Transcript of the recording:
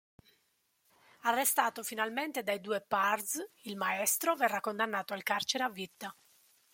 Arrestato finalmente dai due pards, il "Maestro" verrà condannato al carcere a vita.